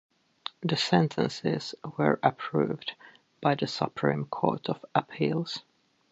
The sentences were approved by the Supreme Court of Appeals.